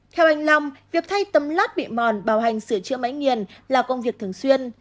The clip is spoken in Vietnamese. theo anh long việc thay tấm lát bị mòn bảo hành sửa chữa máy nghiền là công việc thường xuyên